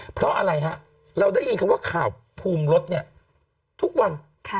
เพราะอะไรฮะเราได้ยินคำว่าข่าวภูมิรถเนี่ยทุกวัน